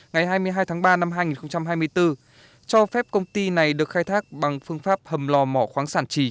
ngày hai mươi hai tháng ba năm hai nghìn hai mươi bốn cho phép công ty này được khai thác bằng phương pháp hầm lò mỏ khoáng sản trì